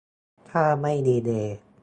ถ้าไม่ดีเลย์